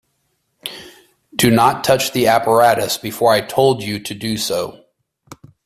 Do not touch the apparatus before I told you to do so.